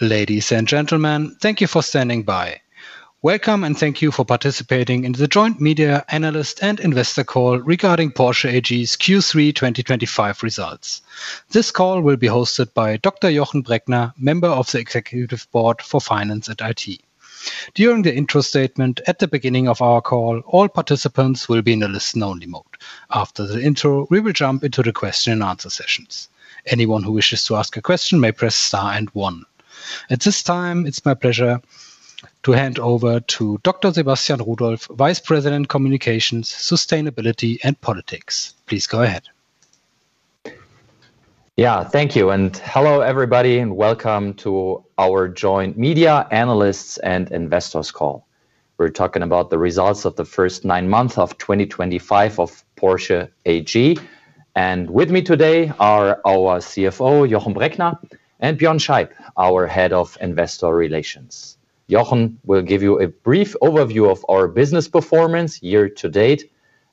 Ladies and gentlemen, thank you for standing by. Welcome and thank you for participating in the joint media analyst and investor call regarding Porsche AG's Q3 2025 results. This call will be hosted by Dr. Jochen Breckner, Member of the Executive Board for Finance and IT. During the intro statement at the beginning of our call, all participants will be in a listen-only mode. After the intro, we will jump into the question and answer sessions. Anyone who wishes to ask a question may press star and one. At this time, it's my pleasure to hand over to Dr. Sebastian Rudolph, Vice President, Communications, Sustainability, and Politics. Please go ahead. Thank you. Hello everybody, and welcome to our joint media analysts and investors call. We're talking about the results of the first nine months of 2025 of Porsche AG. With me today are our CFO, Dr. Jochen Breckner, and Björn Scheib, our Head of Investor Relations. Jochen will give you a brief overview of our business performance year to date.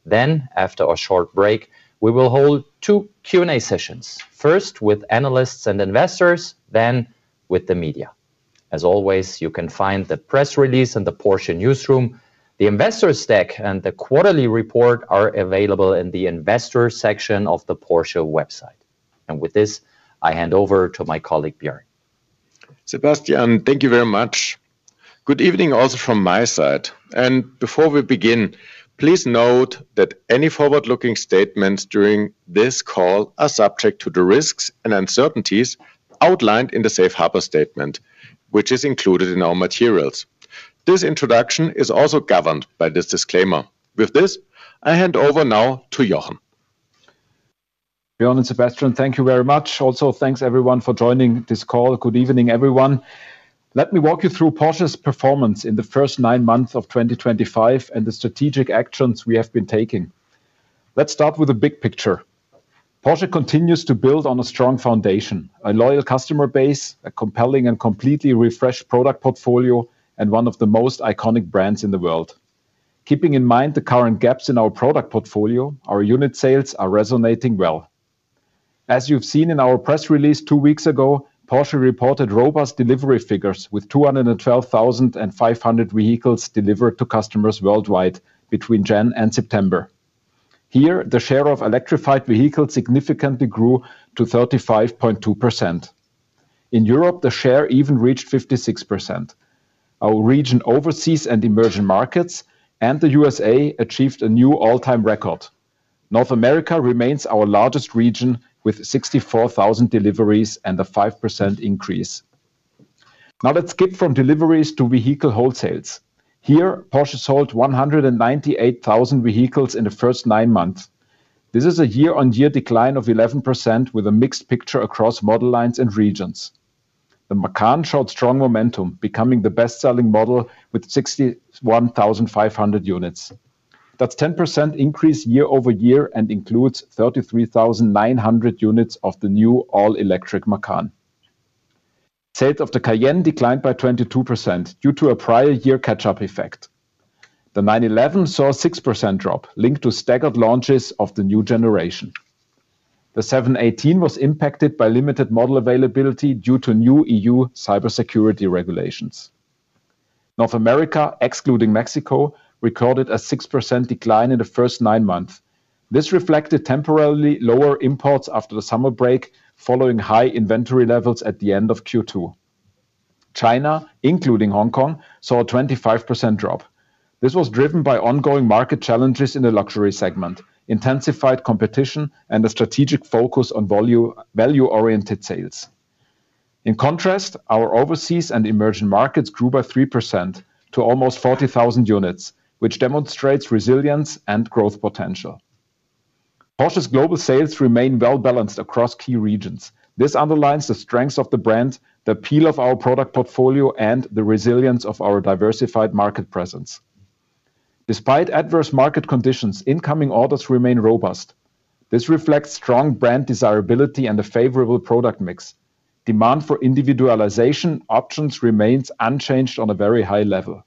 After a short break, we will hold two Q&A sessions, first with analysts and investors, then with the media. As always, you can find the press release in the Porsche newsroom. The investor stack and the quarterly report are available in the investors section of the Porsche website. With this, I hand over to my colleague Björn. Sebastian, thank you very much. Good evening also from my side. Before we begin, please note that any forward-looking statements during this call are subject to the risks and uncertainties outlined in the safe harbor statement, which is included in our materials. This introduction is also governed by this disclaimer. With this, I hand over now to Jochen. Björn and Sebastian, thank you very much. Also, thanks everyone for joining this call. Good evening, everyone. Let me walk you through Porsche's performance in the first nine months of 2025 and the strategic actions we have been taking. Let's start with the big picture. Porsche continues to build on a strong foundation, a loyal customer base, a compelling and completely refreshed product portfolio, and one of the most iconic brands in the world. Keeping in mind the current gaps in our product portfolio, our unit sales are resonating well. As you've seen in our press release two weeks ago, Porsche reported robust delivery figures with 212,500 vehicles delivered to customers worldwide between January and September. Here, the share of electrified vehicles significantly grew to 35.2%. In Europe, the share even reached 56%. Our region overseas and emerging markets and the U.S. achieved a new all-time record. North America remains our largest region with 64,000 deliveries and a 5% increase. Now let's skip from deliveries to vehicle wholesales. Here, Porsche sold 198,000 vehicles in the first nine months. This is a year-on-year decline of 11% with a mixed picture across model lines and regions. The Macan showed strong momentum, becoming the best-selling model with 61,500 units. That's a 10% increase year-over-year and includes 33,900 units of the new all-electric Macan. Sales of the Cayenne declined by 22% due to a prior year catch-up effect. The 911 saw a 6% drop linked to staggered launches of the new generation. The 718 was impacted by limited model availability due to new EU cybersecurity regulations. North America, excluding Mexico, recorded a 6% decline in the first nine months. This reflected temporarily lower imports after the summer break following high inventory levels at the end of Q2. China, including Hong Kong, saw a 25% drop. This was driven by ongoing market challenges in the luxury segment, intensified competition, and a strategic focus on value-oriented sales. In contrast, our overseas and emerging markets grew by 3% to almost 40,000 units, which demonstrates resilience and growth potential. Porsche's global sales remain well-balanced across key regions. This underlines the strengths of the brand, the appeal of our product portfolio, and the resilience of our diversified market presence. Despite adverse market conditions, incoming orders remain robust. This reflects strong brand desirability and a favorable product mix. Demand for individualization options remains unchanged on a very high level.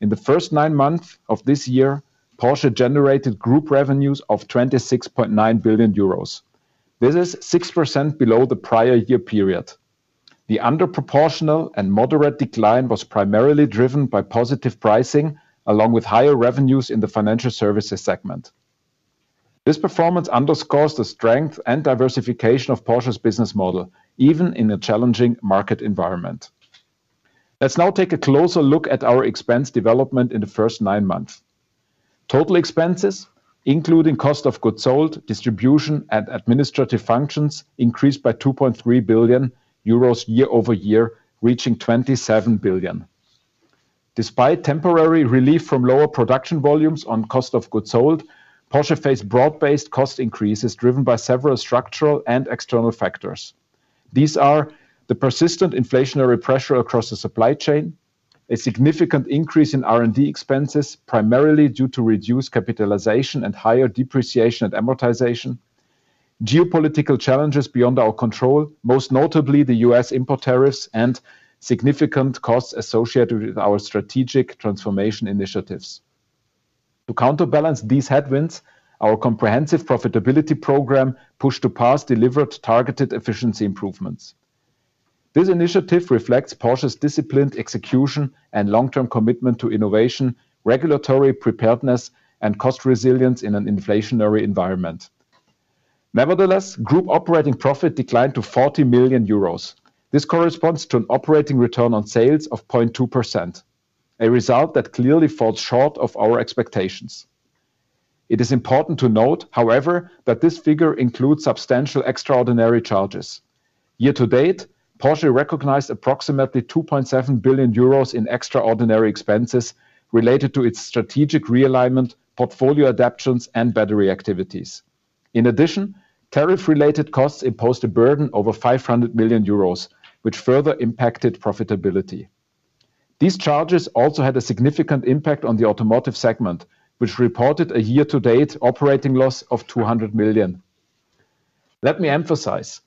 In the first nine months of this year, Porsche generated group revenues of 26.9 billion euros. This is 6% below the prior year period. The underproportional and moderate decline was primarily driven by positive pricing, along with higher revenues in the financial services segment. This performance underscores the strength and diversification of Porsche's business model, even in a challenging market environment. Let's now take a closer look at our expense development in the first nine months. Total expenses, including cost of goods sold, distribution, and administrative functions, increased by 2.3 billion euros year-over-year, reaching 27 billion. Despite temporary relief from lower production volumes on cost of goods sold, Porsche faced broad-based cost increases driven by several structural and external factors. These are the persistent inflationary pressure across the supply chain, a significant increase in R&D expenses, primarily due to reduced capitalization and higher depreciation and amortization, geopolitical challenges beyond our control, most notably the US import tariffs, and significant costs associated with our strategic transformation initiatives. To counterbalance these headwinds, our comprehensive profitability program Push to Pass delivered targeted efficiency improvements. This initiative reflects Porsche's disciplined execution and long-term commitment to innovation, regulatory preparedness, and cost resilience in an inflationary environment. Nevertheless, group operating profit declined to 40 million euros. This corresponds to an operating return on sales of 0.2%, a result that clearly falls short of our expectations. It is important to note, however, that this figure includes substantial extraordinary charges. Year to date, Porsche recognized approximately 2.7 billion euros in extraordinary expenses related to its strategic realignment, portfolio adjustments, and battery activities. In addition, tariff-related costs imposed a burden over 500 million euros, which further impacted profitability. These charges also had a significant impact on the automotive segment, which reported a year-to-date operating loss of 200 million. Let me emphasize,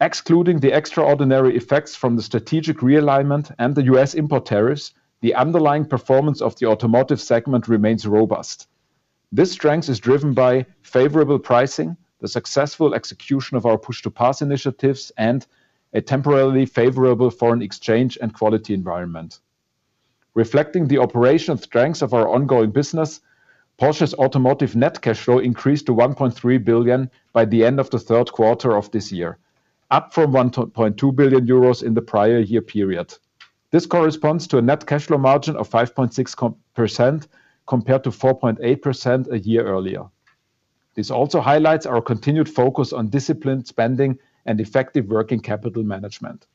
excluding the extraordinary effects from the strategic realignment and the US import tariffs, the underlying performance of the automotive segment remains robust. This strength is driven by favorable pricing, the successful execution of our Push to Pass initiatives, and a temporarily favorable foreign exchange and quality environment. Reflecting the operational strengths of our ongoing business, Porsche's automotive net cash flow increased to 1.3 billion by the end of the third quarter of this year, up from 1.2 billion euros in the prior year period. This corresponds to a net cash flow margin of 5.6% compared to 4.8% a year earlier. This also highlights our continued focus on disciplined spending and effective working capital management.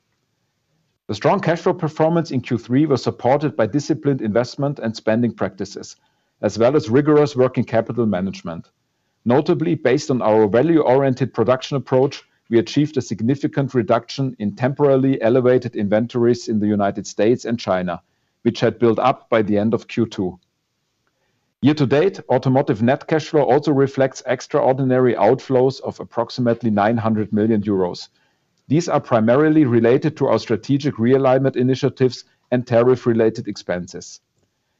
The strong cash flow performance in Q3 was supported by disciplined investment and spending practices, as well as rigorous working capital management. Notably, based on our value-oriented production approach, we achieved a significant reduction in temporarily elevated inventories in the U.S. and China, which had built up by the end of Q2. Year to date, automotive net cash flow also reflects extraordinary outflows of approximately 900 million euros. These are primarily related to our strategic realignment initiatives and tariff-related expenses.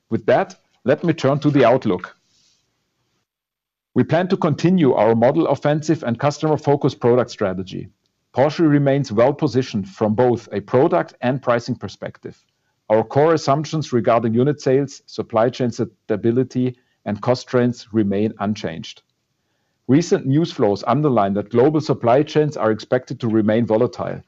With that, let me turn to the outlook. We plan to continue our model offensive and customer-focused product strategy. Porsche remains well positioned from both a product and pricing perspective. Our core assumptions regarding unit sales, supply chain stability, and cost strains remain unchanged. Recent news flows underline that global supply chains are expected to remain volatile.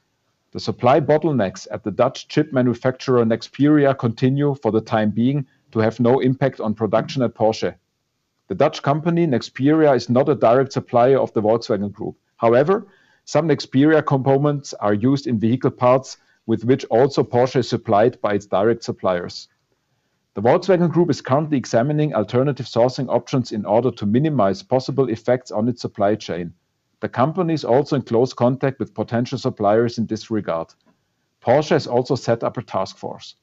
The supply bottlenecks at the Dutch chip Manufaktur Nexperia continue for the time being to have no impact on production at Porsche. The Dutch company Nexperia is not a direct supplier of the Volkswagen Group. However, some Nexperia components are used in vehicle parts with which also Porsche is supplied by its direct suppliers. The Volkswagen Group is currently examining alternative sourcing options in order to minimize possible effects on its supply chain. The company is also in close contact with potential suppliers in this regard. Porsche has also set up a task force.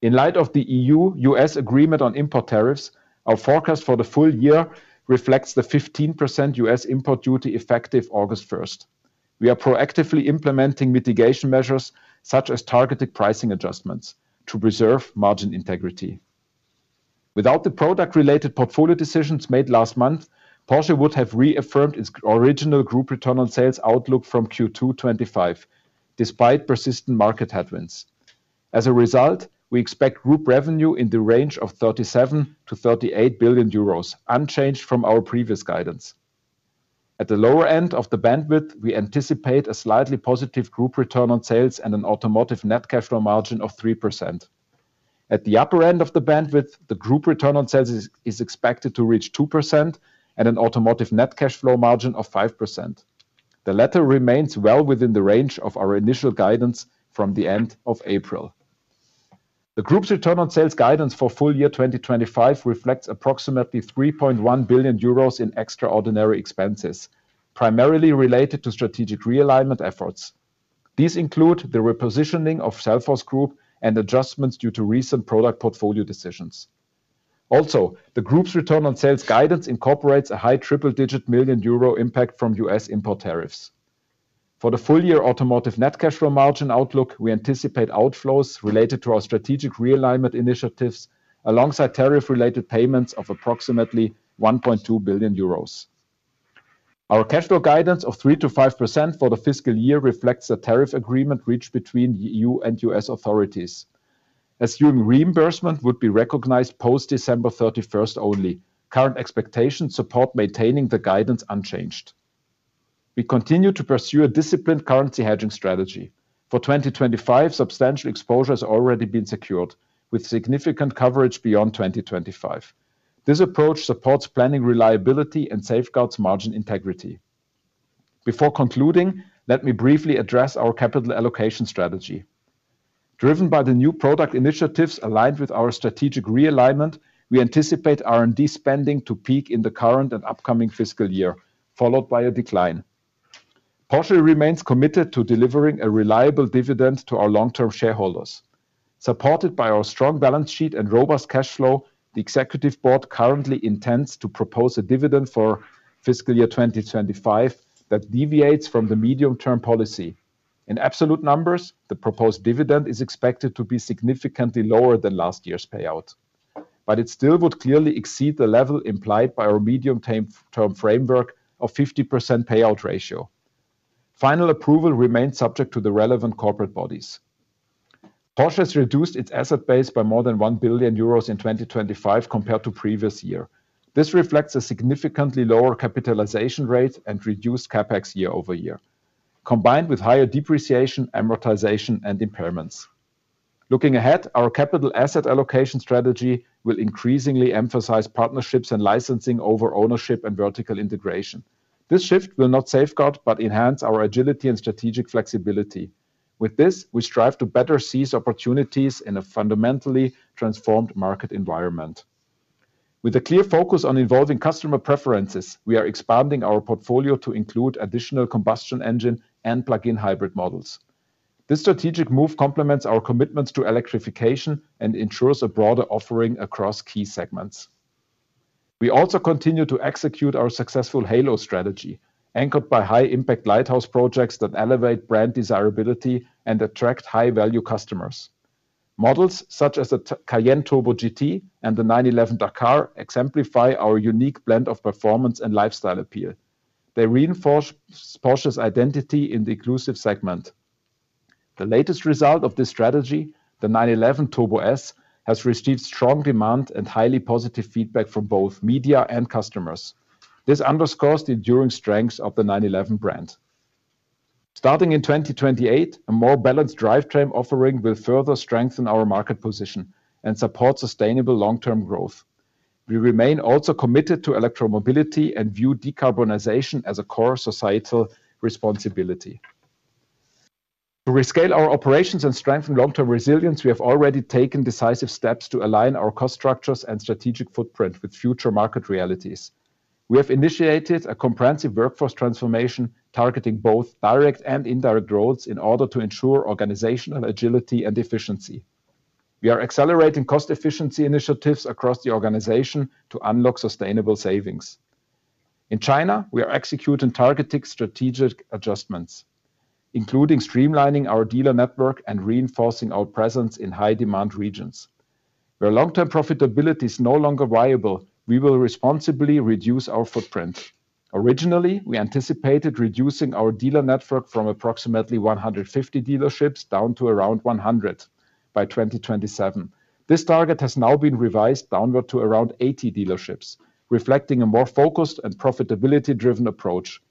In light of the EU-U.S. agreement on import tariffs, our forecast for the full year reflects the 15% US import duty effective August 1st. We are proactively implementing mitigation measures such as targeted pricing adjustments to preserve margin integrity. Without the product-related portfolio decisions made last month, Porsche would have reaffirmed its original group return on sales outlook from Q2 2025, despite persistent market headwinds. As a result, we expect group revenue in the range of 37 billion-38 billion euros, unchanged from our previous guidance. At the lower end of the bandwidth, we anticipate a slightly positive group return on sales and an automotive net cash flow margin of 3%. At the upper end of the bandwidth, the group return on sales is expected to reach 2% and an automotive net cash flow margin of 5%. The latter remains well within the range of our initial guidance from the end of April. The group's return on sales guidance for full year 2025 reflects approximately 3.1 billion euros in extraordinary expenses, primarily related to strategic realignment efforts. These include the repositioning of Salesforce Group and adjustments due to recent product portfolio decisions. Also, the group's return on sales guidance incorporates a high triple-digit million euro impact from US import tariffs. For the full year automotive net cash flow margin outlook, we anticipate outflows related to our strategic realignment initiatives alongside tariff-related payments of approximately 1.2 billion euros. Our cash flow guidance of 3%-5% for the fiscal year reflects the tariff agreement reached between the EU and U.S. authorities. Assuming reimbursement would be recognized post-December 31st only, current expectations support maintaining the guidance unchanged. We continue to pursue a disciplined currency hedging strategy. For 2025, substantial exposure has already been secured with significant coverage beyond 2025. This approach supports planning reliability and safeguards margin integrity. Before concluding, let me briefly address our capital allocation strategy. Driven by the new product initiatives aligned with our strategic realignment, we anticipate R&D spending to peak in the current and upcoming fiscal year, followed by a decline. Porsche remains committed to delivering a reliable dividend to our long-term shareholders. Supported by our strong balance sheet and robust cash flow, the Executive Board currently intends to propose a dividend for fiscal year 2025 that deviates from the medium-term policy. In absolute numbers, the proposed dividend is expected to be significantly lower than last year's payout. It still would clearly exceed the level implied by our medium-term framework of a 50% payout ratio. Final approval remains subject to the relevant corporate bodies. Porsche has reduced its asset base by more than 1 billion euros in 2025 compared to the previous year. This reflects a significantly lower capitalization rate and reduced CapEx year-over-year, combined with higher depreciation, amortization, and impairments. Looking ahead, our capital asset allocation strategy will increasingly emphasize partnerships and licensing over ownership and vertical integration. This shift will not safeguard but enhance our agility and strategic flexibility. With this, we strive to better seize opportunities in a fundamentally transformed market environment. With a clear focus on involving customer preferences, we are expanding our portfolio to include additional combustion engine and plug-in hybrid models. This strategic move complements our commitments to electrification and ensures a broader offering across key segments. We also continue to execute our successful Halo Strategy, anchored by high-impact lighthouse projects that elevate brand desirability and attract high-value customers. Models such as the Cayenne Turbo GT and the 911 Dakar exemplify our unique blend of performance and lifestyle appeal. They reinforce Porsche's identity in the inclusive segment. The latest result of this strategy, the 911 Turbo S, has received strong demand and highly positive feedback from both media and customers. This underscores the enduring strengths of the 911 brand. Starting in 2028, a more balanced drivetrain offering will further strengthen our market position and support sustainable long-term growth. We remain also committed to electromobility and view decarbonization as a core societal responsibility. To rescale our operations and strengthen long-term resilience, we have already taken decisive steps to align our cost structures and strategic footprint with future market realities. We have initiated a comprehensive workforce transformation targeting both direct and indirect roles in order to ensure organizational agility and efficiency. We are accelerating cost efficiency initiatives across the organization to unlock sustainable savings. In China, we are executing targeted strategic adjustments, including streamlining our dealer network and reinforcing our presence in high-demand regions. Where long-term profitability is no longer viable, we will responsibly reduce our footprint. Originally, we anticipated reducing our dealer network from approximately 150 dealerships down to around 100 by 2027. This target has now been revised downward to around 80 dealerships, reflecting a more focused and profitability-driven approach.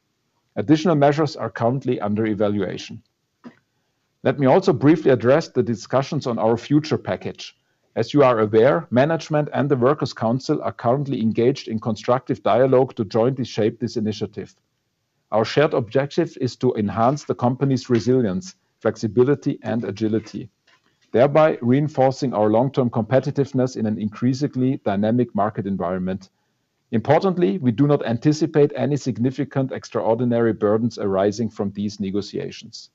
Additional measures are currently under evaluation. Let me also briefly address the discussions on our future package. As you are aware, management and the Workers' Council are currently engaged in constructive dialogue to jointly shape this initiative. Our shared objective is to enhance the company's resilience, flexibility, and agility, thereby reinforcing our long-term competitiveness in an increasingly dynamic market environment. Importantly, we do not anticipate any significant extraordinary burdens arising from these negotiations.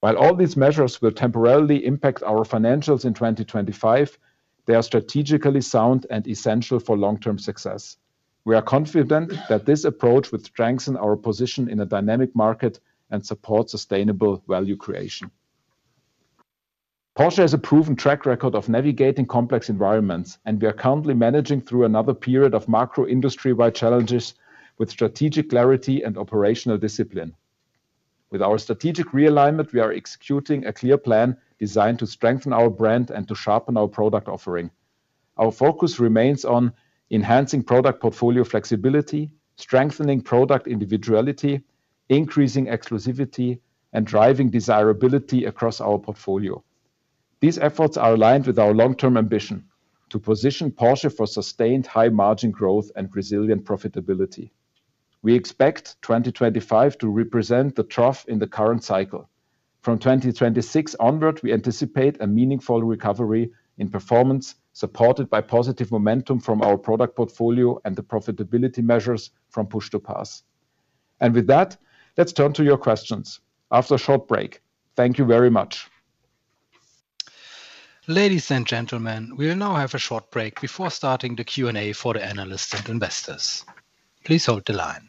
While all these measures will temporarily impact our financials in 2025, they are strategically sound and essential for long-term success. We are confident that this approach will strengthen our position in a dynamic market and support sustainable value creation. Porsche has a proven track record of navigating complex environments, and we are currently managing through another period of macro-industry-wide challenges with strategic clarity and operational discipline. With our strategic realignment, we are executing a clear plan designed to strengthen our brand and to sharpen our product offering. Our focus remains on enhancing product portfolio flexibility, strengthening product individuality, increasing exclusivity, and driving desirability across our portfolio. These efforts are aligned with our long-term ambition to position Porsche for sustained high margin growth and resilient profitability. We expect 2025 to represent the trough in the current cycle. From 2026 onward, we anticipate a meaningful recovery in performance, supported by positive momentum from our product portfolio and the profitability measures from push-to-pass. With that, let's turn to your questions after a short break. Thank you very much. Ladies and gentlemen, we will now have a short break before starting the Q&A for the analysts and investors. Please hold the line.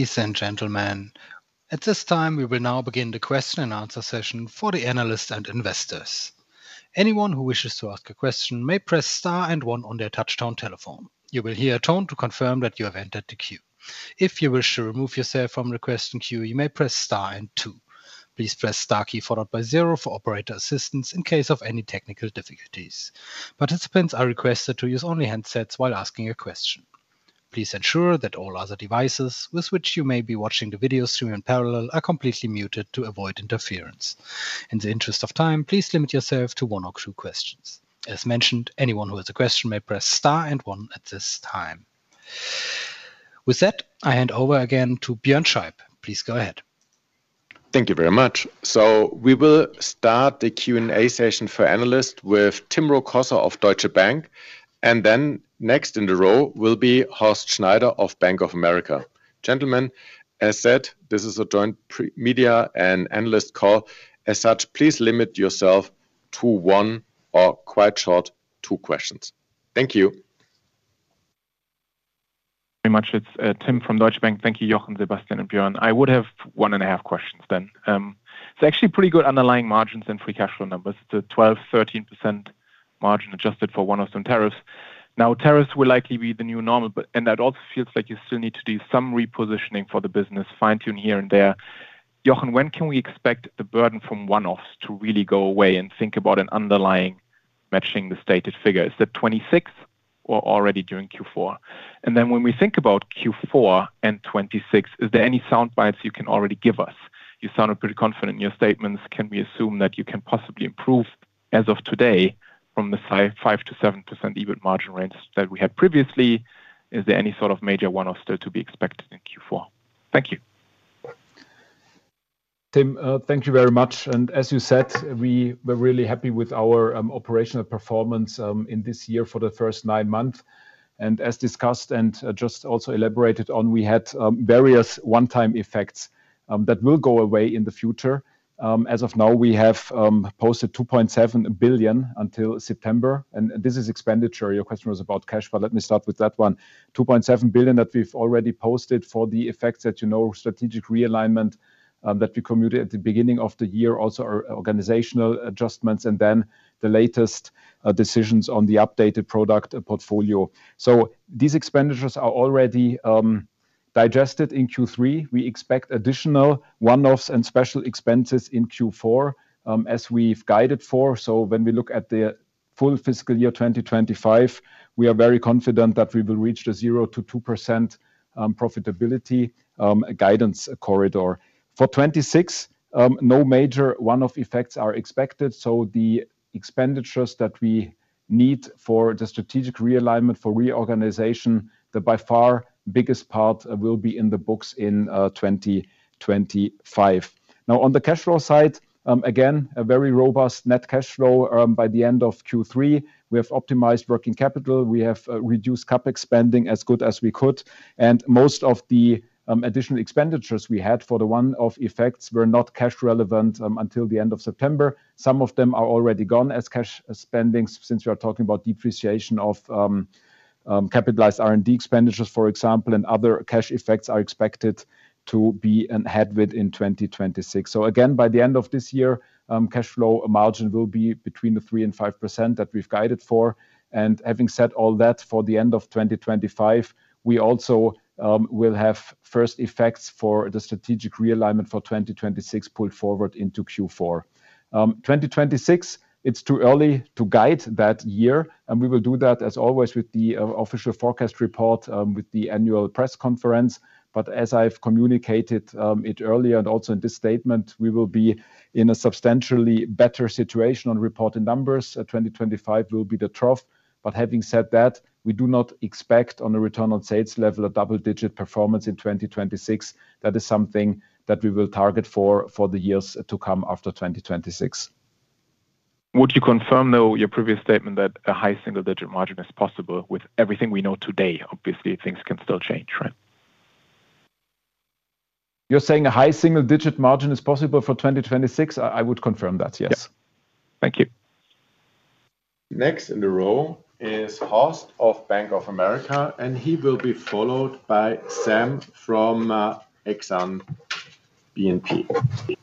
Ladies and gentlemen, at this time, we will now begin the question and answer session for the analysts and investors. Anyone who wishes to ask a question may press star and one on their touch-tone telephone. You will hear a tone to confirm that you have entered the queue. If you wish to remove yourself from the question queue, you may press star and two. Please press the star key followed by zero for operator assistance in case of any technical difficulties. Participants are requested to use only headsets while asking a question. Please ensure that all other devices with which you may be watching the video stream in parallel are completely muted to avoid interference. In the interest of time, please limit yourself to one or two questions. As mentioned, anyone who has a question may press star and one at this time With that, I hand over again to Björn Scheib. Please go ahead. Thank you very much. We will start the Q&A session for analysts with Tim Rokossa of Deutsche Bank A. Next in the row will be Horst Schneider of Bank of America. Gentlemen, as said, this is a joint media and analyst call. As such, please limit yourself to one or quite short two questions. Thank you. Very much. It's Tim from Deutsche Bank. Thank you, Jochen, Sebastian, and Björn. I would have one and a half questions then. It's actually pretty good underlying margins and free cash flow numbers. It's a 12%, 13% margin adjusted for one-offs and tariffs. Now, tariffs will likely be the new normal, but that also feels like you still need to do some repositioning for the business, fine-tune here and there. Jochen, when can we expect the burden from one-offs to really go away and think about an underlying matching the stated figure? Is that 2026 or already during Q4? When we think about Q4 and 2026, is there any sound bites you can already give us? You sound pretty confident in your statements. Can we assume that you can possibly improve as of today from the 5% to 7% EBIT margin range that we had previously? Is there any sort of major one-off still to be expected in Q4? Thank you. Tim, thank you very much. As you said, we were really happy with our operational performance in this year for the first nine months. As discussed and just also elaborated on, we had various one-time effects that will go away in the future. As of now, we have posted 2.7 billion until September. This is expenditure. Your question was about cash, but let me start with that one. 2.7 billion that we've already posted for the effects that you know, strategic realignment that we committed at the beginning of the year, also our organizational adjustments, and then the latest decisions on the updated product portfolio. These expenditures are already digested in Q3. We expect additional one-offs and special expenses in Q4 as we've guided for. When we look at the full fiscal year 2025, we are very confident that we will reach the 0%-2% profitability guidance corridor. For 2026, no major one-off effects are expected. The expenditures that we need for the strategic realignment for reorganization, the by far biggest part will be in the books in 2025. Now on the cash flow side, again, a very robust net cash flow by the end of Q3. We have optimized working capital. We have reduced CapEx spending as good as we could. Most of the additional expenditures we had for the one-off effects were not cash relevant until the end of September. Some of them are already gone as cash spending since we are talking about depreciation of capitalized R&D expenditures, for example, and other cash effects are expected to be ahead in 2026. By the end of this year, cash flow margin will be between the 3% and 5% that we've guided for. Having said all that, for the end of 2025, we also will have first effects for the strategic realignment for 2026 pulled forward into Q4. 2026, it's too early to guide that year. We will do that as always with the official forecast report with the annual press conference. As I've communicated it earlier and also in this statement, we will be in a substantially better situation on reporting numbers. 2025 will be the trough. Having said that, we do not expect on a return on sales level a double-digit performance in 2026. That is something that we will target for the years to come after 2026. Would you confirm though your previous statement that a high single-digit margin is possible with everything we know today? Obviously, things can still change, right? You're saying a high single-digit margin is possible for 2026? I would confirm that, yes. Thank you. Next in the row is Horst Schneider of Bank of America, and he will be followed by Sam from Exane BNP.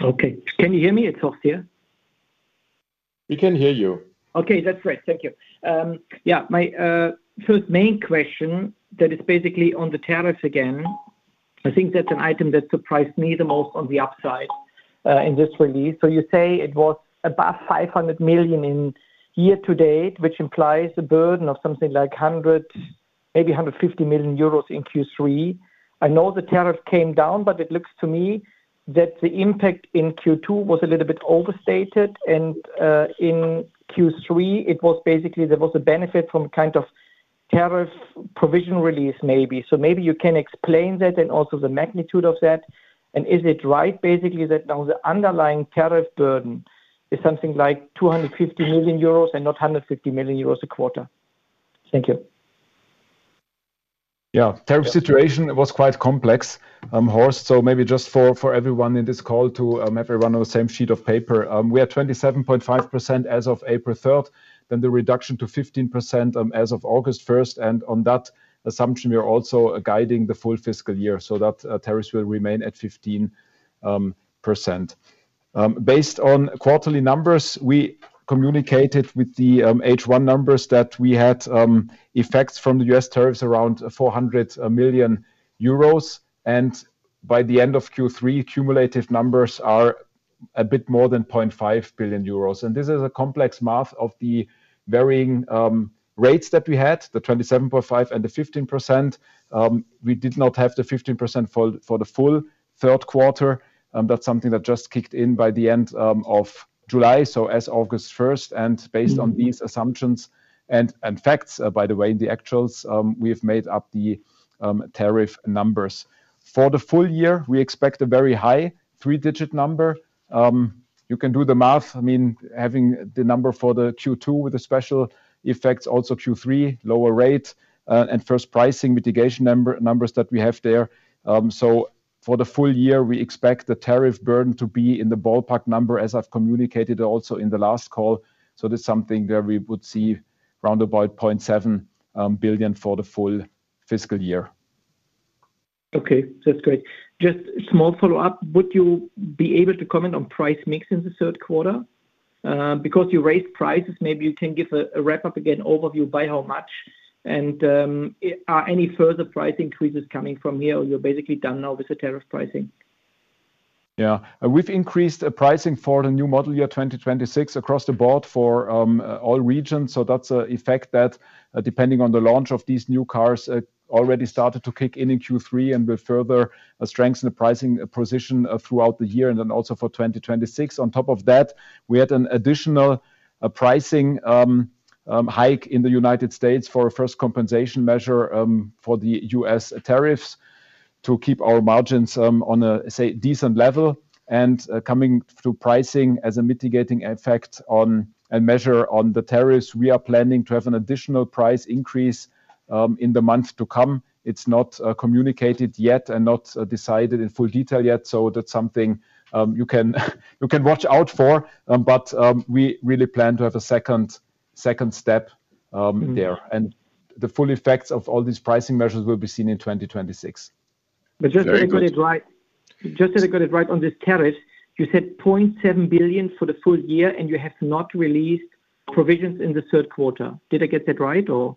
Okay, can you hear me? We can hear you. Okay, that's great. Thank you. My first main question is basically on the tariffs again. I think that's an item that surprised me the most on the upside in this release. You say it was above 500 million in year to date, which implies a burden of something like 100 million euros, maybe 150 million euros in Q3. I know the tariff came down, but it looks to me that the impact in Q2 was a little bit overstated. In Q3, there was basically a benefit from a kind of tariff provision release maybe. Maybe you can explain that and also the magnitude of that. Is it right basically that now the underlying tariff burden is something like 250 million euros and not 150 million euros a quarter? Thank you. Yeah, tariff situation was quite complex, Horst. Maybe just for everyone in this call to have everyone on the same sheet of paper. We are 27.5% as of April 3rd, then the reduction to 15% as of August 1st. On that assumption, we are also guiding the full fiscal year, so that tariffs will remain at 15%. Based on quarterly numbers, we communicated with the H1 numbers that we had effects from theUS tarrifs around 400 million euros. By the end of Q3, cumulative numbers are a bit more than 0.5 billion euros. This is a complex math of the varying rates that we had, the 27.5% and the 15%. We did not have the 15% for the full third quarter. That's something that just kicked in by the end of July, as August 1st, and based on these assumptions and facts, by the way, in the actuals, we have made up the tariff numbers. For the full year, we expect a very high three-digit number. You can do the math. I mean, having the number for the Q2 with the special effects, also Q3, lower rate, and first pricing mitigation numbers that we have there. For the full year, we expect the tariff burden to be in the ballpark number, as I've communicated also in the last call. This is something where we would see roundabout 0.7 billion for the full fiscal year. Okay, that's great. Just a small follow-up. Would you be able to comment on price mix in the third quarter? Because you raised prices, maybe you can give a wrap-up again overview by how much. Are any further price increases coming from here? You're basically done now with the tariff pricing? Yeah, we've increased pricing for the new model year 2026 across the board for all regions. That's an effect that, depending on the launch of these new cars, already started to kick in in Q3 and will further strengthen the pricing position throughout the year and then also for 2026. On top of that, we had an additional pricing hike in the U.S. for a first compensation measure for theUS tarrifs to keep our margins on a decent level. Coming to pricing as a mitigating effect on a measure on the tariffs, we are planning to have an additional price increase in the months to come. It's not communicated yet and not decided in full detail yet. That's something you can watch out for. We really plan to have a second step there. The full effects of all these pricing measures will be seen in 2026. Just to get it right on this tariff, you said 0.7 billion for the full year and you have not released provisions in the third quarter. Did I get that right or?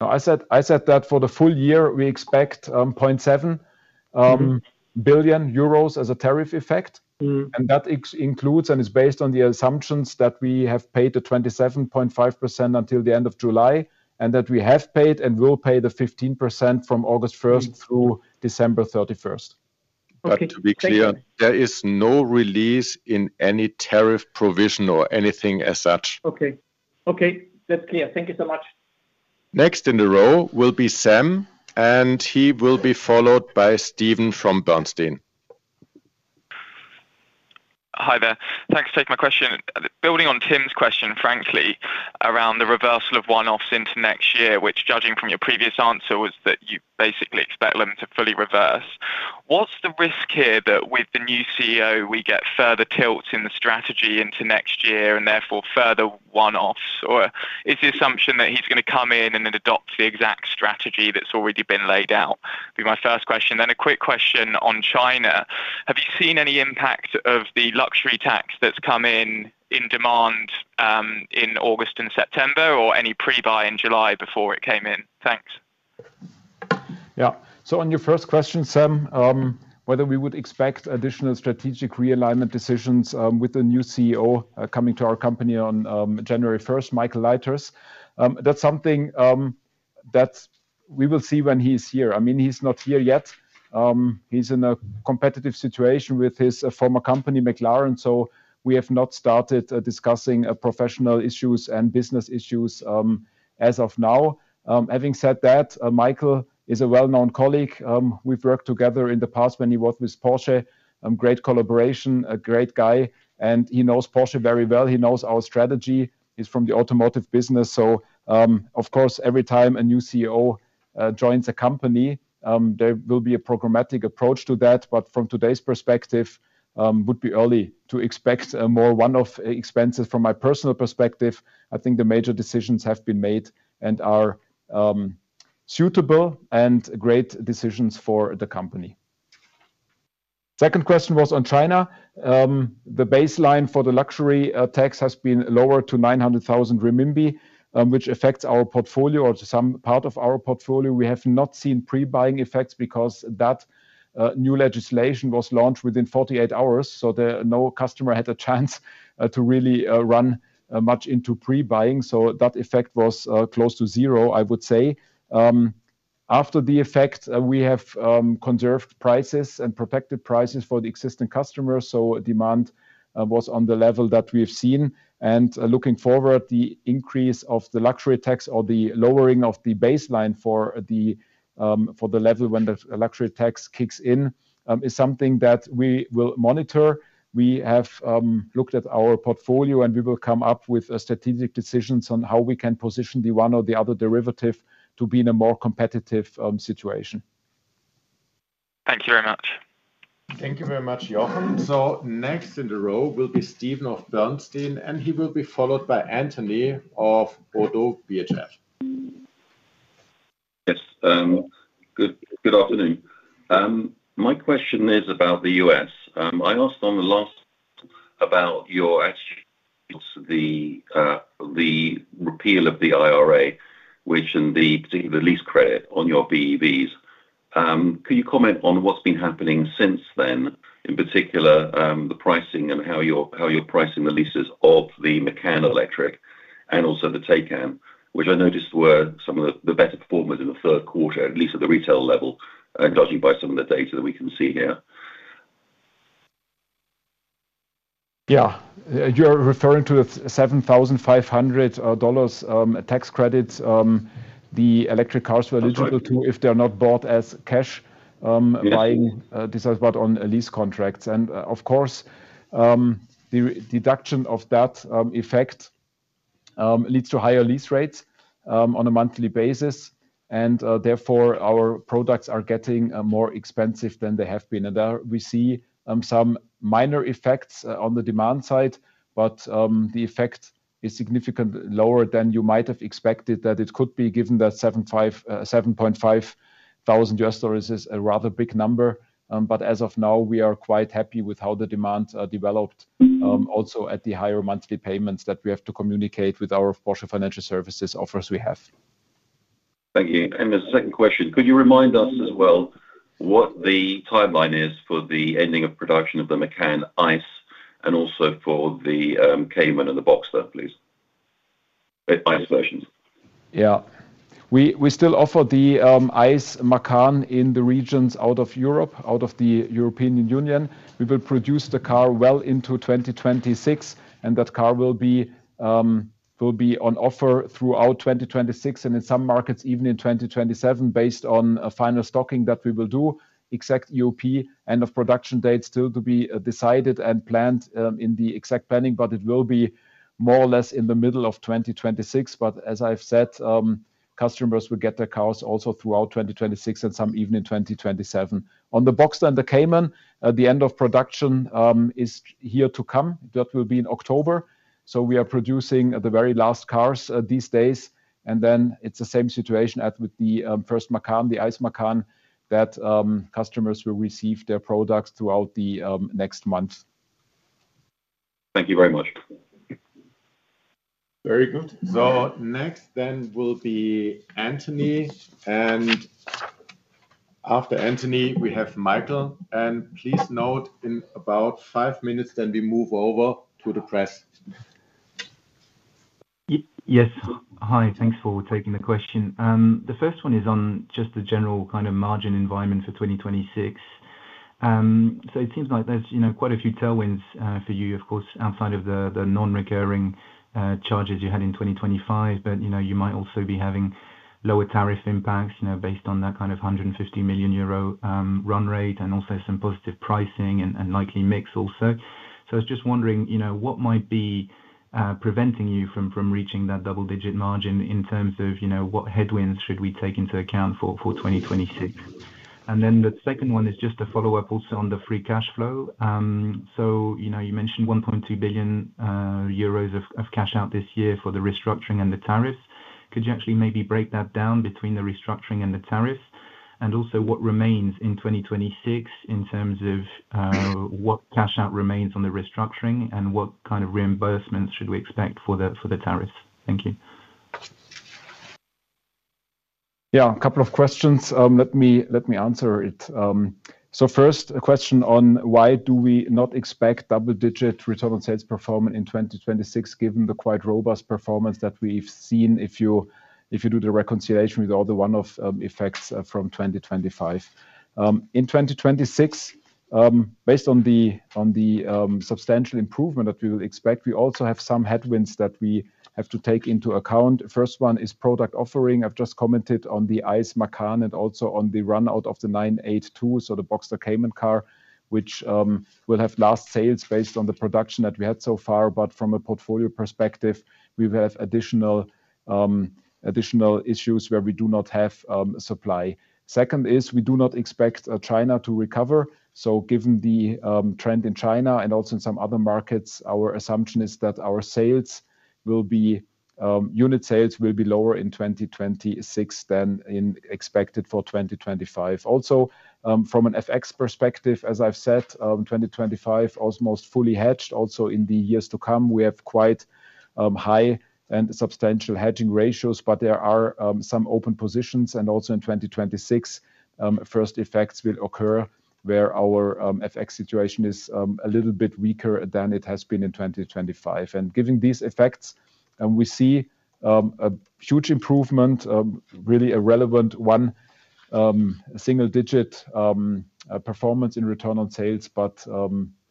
I said that for the full year, we expect 0.7 billion euros as a tariff effect. That includes and is based on the assumptions that we have paid the 27.5% until the end of July, and that we have paid and will pay the 15% from August 1st through December 31st. Okay, to be clear, there is no release in any tariff provision or anything as such. Okay, that's clear. Thank you so much. Next in the row will be Sam, and he will be followed by Stephen from Bernstein. Hi there. Thanks for taking my question. Building on Tim's question, frankly, around the reversal of one-offs into next year, which judging from your previous answer was that you basically expect them to fully reverse. What's the risk here that with the new CEO, we get further tilts in the strategy into next year and therefore further one-offs? Or is the assumption that he's going to come in and then adopt the exact strategy that's already been laid out? It'd be my first question. A quick question on China. Have you seen any impact of the luxury tax that's come in in demand in August and September or any pre-buy in July before it came in? Thanks. Yeah, on your first question, Sam, whether we would expect additional strategic realignment decisions with the new CEO coming to our company on January 1st, Michael Leiters. That's something that we will see when he's here. He's not here yet. He's in a competitive situation with his former company, McLaren. We have not started discussing professional issues and business issues as of now. Having said that, Michael is a well-known colleague. We've worked together in the past when he worked with Porsche. Great collaboration, a great guy, and he knows Porsche very well. He knows our strategy. He's from the automotive business. Of course, every time a new CEO joins a company, there will be a programmatic approach to that. From today's perspective, it would be early to expect more one-off expenses. From my personal perspective, I think the major decisions have been made and are suitable and great decisions for the company. Second question was on China. The baseline for the luxury tax has been lowered to 900,000 renminbi, which affects our portfolio or some part of our portfolio. We have not seen pre-buying effects because that new legislation was launched within 48 hours. No customer had a chance to really run much into pre-buying. That effect was close to zero, I would say. After the effect, we have conserved prices and protected prices for the existing customers. Demand was on the level that we've seen. Looking forward, the increase of the luxury tax or the lowering of the baseline for the level when the luxury tax kicks in is something that we will monitor. We have looked at our portfolio and we will come up with strategic decisions on how we can position the one or the other derivative to be in a more competitive situation. Thank you very much. Thank you very much, Jochen. Next in the row will be Stephen of Bernstein, and he will be followed by Anthony of ODDO BHF. Yes, good afternoon. My question is about the U.S. I asked on the last call about your attitudes to the repeal of the IRA, which in the particular lease credit on your BEVs. Could you comment on what's been happening since then, in particular the pricing and how you're pricing the leases of the Macan Electric and also the Taycan, which I noticed were some of the better performers in the third quarter, at least at the retail level, judging by some of the data that we can see here. Yeah, you're referring to the $7,500 tax credit the electric cars were eligible to if they're not bought as cash but disallowed on lease contracts. Of course, the deduction of that effect leads to higher lease rates on a monthly basis. Therefore, our products are getting more expensive than they have been. We see some minor effects on the demand side, but the effect is significantly lower than you might have expected that it could be given that $7,500 is a rather big number. As of now, we are quite happy with how the demand developed also at the higher monthly payments that we have to communicate with our Porsche Financial Services offers we have. Thank you. As a second question, could you remind us as well what the timeline is for the ending of production of the Macan ICE and also for the Cayman and the Boxster, please? Yeah, we still offer the ICE Macan in the regions outside of Europe, outside of the European Union. We will produce the car well into 2026, and that car will be on offer throughout 2026 and in some markets even in 2027 based on final stocking that we will do. Exact EOP, end of production dates, still to be decided and planned in the exact planning, but it will be more or less in the middle of 2026. As I've said, customers will get their cars also throughout 2026 and some even in 2027. On the Boxster and the Cayman, the end of production is here to come. That will be in October. We are producing the very last cars these days, and then it's the same situation as with the first Macan, the ICE Macan, that customers will receive their products throughout the next months. Thank you very much. Very good. Next will be Anthony, and after Anthony, we have Michael. Please note in about five minutes, we move over to the press. Yes, hi. Thanks for taking the question. The first one is on just the general kind of margin environment for 2026. It seems like there's quite a few tailwinds for you, of course, outside of the non-recurring charges you had in 2025. You might also be having lower tariff impacts based on that kind of 150 million euro run rate and also some positive pricing and likely mix also. I was just wondering what might be preventing you from reaching that double-digit margin in terms of what headwinds should we take into account for 2026? The second one is just a follow-up also on the free cash flow. You mentioned 1.2 billion euros of cash out this year for the restructuring and the tariffs. Could you actually maybe break that down between the restructuring and the tariffs? Also, what remains in 2026 in terms of what cash out remains on the restructuring and what kind of reimbursements should we expect for the tariffs? Thank you. Yeah, a couple of questions. Let me answer it. First, a question on why do we not expect double-digit return on sales performance in 2026, given the quite robust performance that we've seen if you do the reconciliation with all the one-off effects from 2025. In 2026, based on the substantial improvement that we will expect, we also have some headwinds that we have to take into account. The first one is product offering. I've just commented on the ICE Macan and also on the runout of the 982, so the Boxster Cayman car, which will have last sales based on the production that we had so far. From a portfolio perspective, we will have additional issues where we do not have a supply. Second is we do not expect China to recover. Given the trend in China and also in some other markets, our assumption is that our sales will be, unit sales will be lower in 2026 than expected for 2025. Also, from an FX perspective, as I've said, 2025 is almost fully hedged. Also in the years to come, we have quite high and substantial hedging ratios, but there are some open positions. In 2026, first effects will occur where our FX situation is a little bit weaker than it has been in 2025. Given these effects, we see a huge improvement, really a relevant one, a single-digit performance in return on sales, but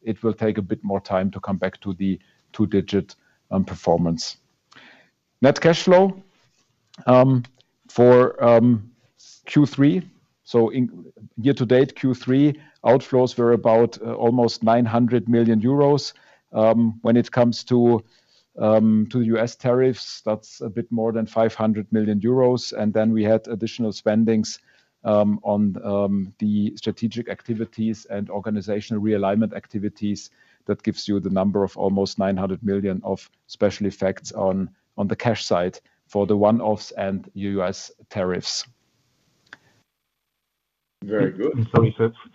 it will take a bit more time to come back to the two-digit performance. Net cash flow for Q3, so year to date Q3, outflows were about almost 900 million euros. When it comes to theUS tarrifs, that's a bit more than 500 million euros. We had additional spendings on the strategic activities and organizational realignment activities. That gives you the number of almost 900 million of special effects on the cash side for the one-offs andUS tarrifs. Very good.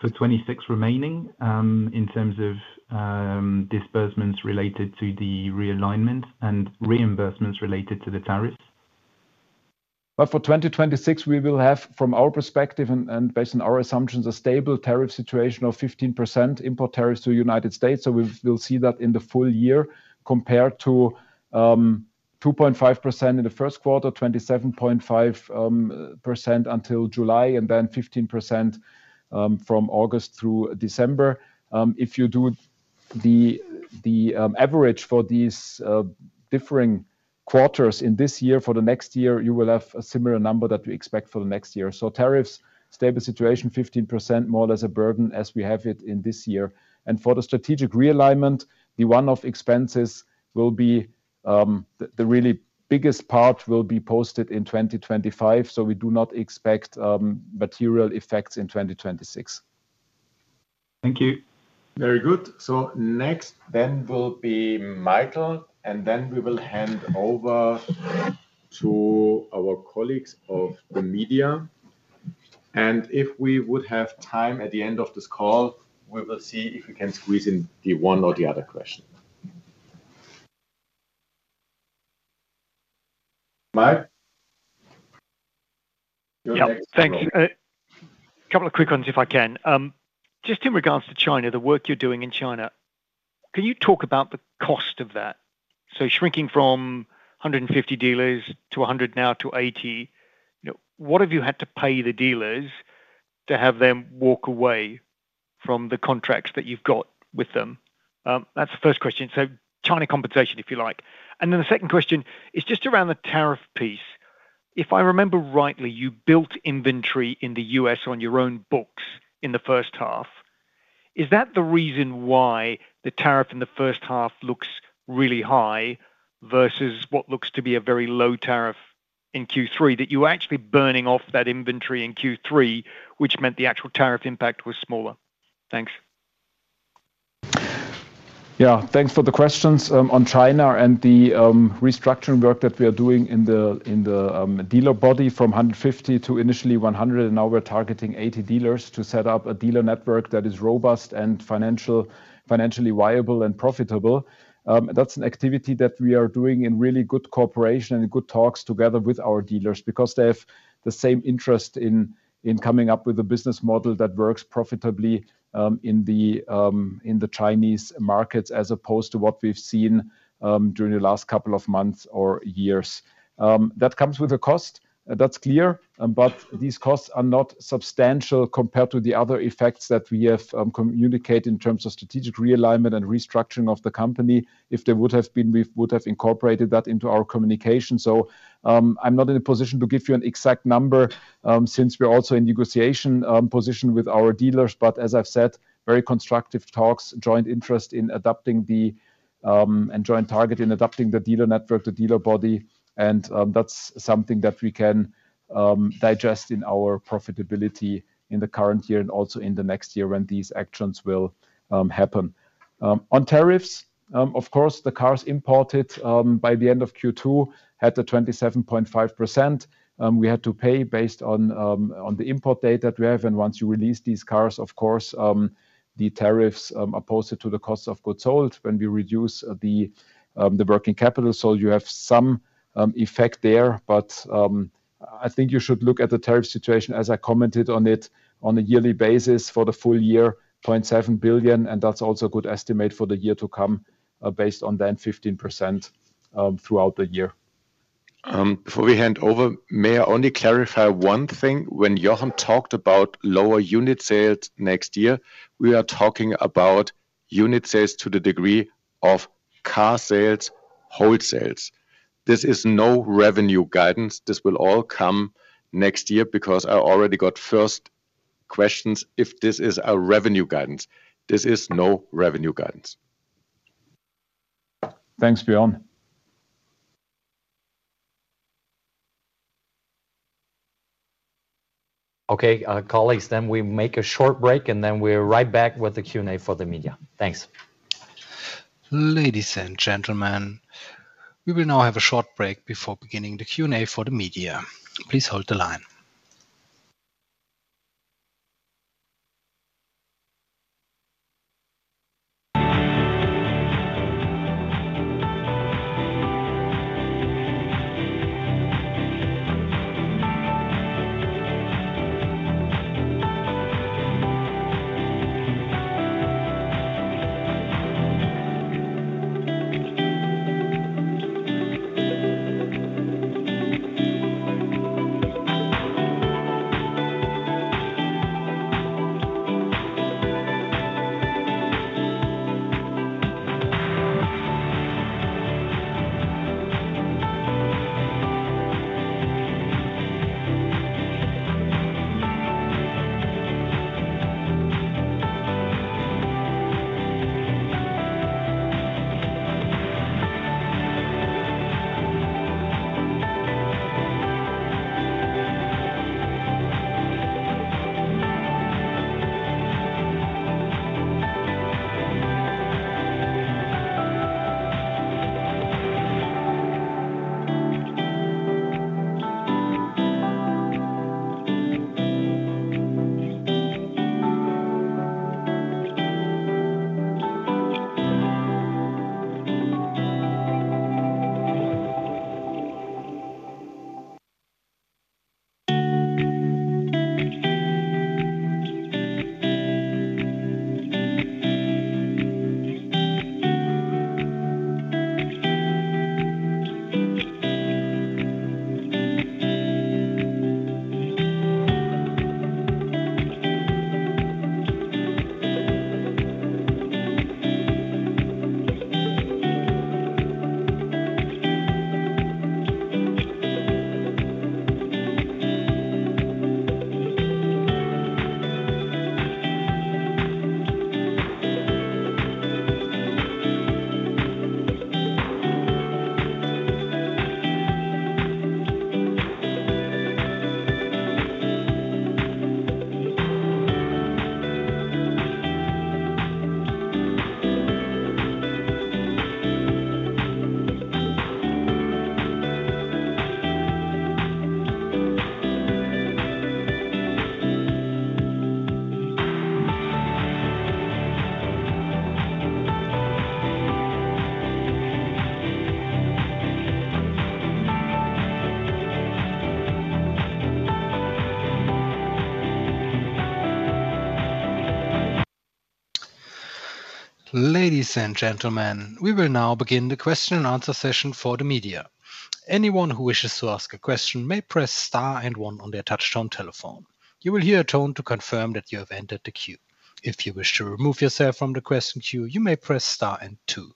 For 26 remaining, in terms of disbursements related to the realignment and reimbursements related to the tariffs? For 2026, we will have, from our perspective and based on our assumptions, a stable tariff situation of 15% import tariffs to the U.S. We will see that in the full year compared to 2.5% in the first quarter, 27.5% until July, and then 15% from August through December. If you do the average for these differing quarters in this year, for the next year, you will have a similar number that we expect for the next year. Tariffs, stable situation, 15%, more or less a burden as we have it in this year. For the strategic realignment, the one-off expenses will be the really biggest part, will be posted in 2025. We do not expect material effects in 2026. Thank you. Very good. Next will be Michael, and then we will hand over to our colleagues of the media. If we have time at the end of this call, we will see if we can squeeze in one or the other question. Thanks. A couple of quick ones if I can. Just in regards to China, the work you're doing in China, can you talk about the cost of that? Shrinking from 150 dealers to 100 now to 80, what have you had to pay the dealers to have them walk away from the contracts that you've got with them? That's the first question. China compensation, if you like. The second question is just around the tariff piece. If I remember rightly, you built inventory in the U.S. on your own books in the first half. Is that the reason why the tariff in the first half looks really high versus what looks to be a very low tariff in Q3, that you were actually burning off that inventory in Q3, which meant the actual tariff impact was smaller? Thanks. Yeah, thanks for the questions. On China and the restructuring work that we are doing in the dealer body from 150 to initially 100, and now we're targeting 80 dealers to set up a dealer network that is robust and financially viable and profitable. That's an activity that we are doing in really good cooperation and in good talks together with our dealers because they have the same interest in coming up with a business model that works profitably in the Chinese markets as opposed to what we've seen during the last couple of months or years. That comes with a cost. That's clear. These costs are not substantial compared to the other effects that we have communicated in terms of strategic realignment and restructuring of the company. If there would have been, we would have incorporated that into our communication. I'm not in a position to give you an exact number since we're also in a negotiation position with our dealers. As I've said, very constructive talks, joint interest in adopting the and joint target in adopting the dealer network, the dealer body. That's something that we can digest in our profitability in the current year and also in the next year when these actions will happen. On tariffs, of course, the cars imported by the end of Q2 had the 27.5%. We had to pay based on the import date that we have. Once you release these cars, the tariffs are posted to the cost of goods sold when we reduce the working capital. You have some effect there. I think you should look at the tariff situation, as I commented on it, on a yearly basis for the full year, 0.7 billion. That's also a good estimate for the year to come based on then 15% throughout the year. Before we hand over, may I only clarify one thing? When Jochen talked about lower unit sales next year, we are talking about unit sales to the degree of car sales wholesales. This is no revenue guidance. This will all come next year because I already got first questions if this is a revenue guidance. This is no revenue guidance. Thanks, Björn. Okay, colleagues, then we make a short break, and then we're right back with the Q&A for the media. Thanks. Ladies and gentlemen, we will now have a short break before beginning the Q&A for the media. Please hold the line. Ladies and gentlemen, we will now begin the question and answer session for the media. Anyone who wishes to ask a question may press star and one on their touch-tone telephone. You will hear a tone to confirm that you have entered the queue. If you wish to remove yourself from the question queue, you may press star and two.